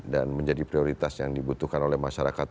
dan menjadi prioritas yang dibutuhkan oleh masyarakat